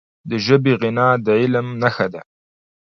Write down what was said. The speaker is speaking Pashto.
د ژبي غنا د علم نښه ده.